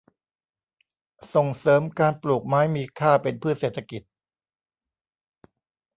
ส่งเสริมการปลูกไม้มีค่าเป็นพืชเศรษฐกิจ